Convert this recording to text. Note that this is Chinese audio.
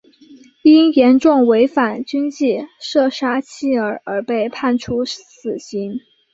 因严重违反军纪射杀妻儿而被判处死刑。